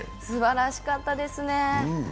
すばらしかったですね。